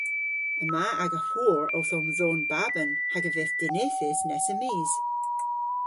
Yma aga hwor owth omdhon baban hag a vydh dinythys nessa mis.